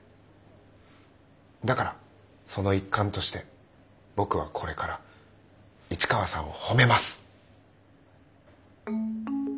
だからその一環として僕はこれから市川さんを褒めます！